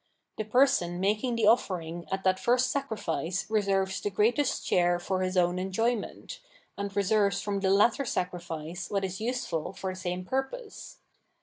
The person making' the offering at that first sacrifice re serves the greatest share for his own enjoyment; 729 The Abstract Worh of Art and reserves from the latter sacrifice what is nsefnl for the same purpose.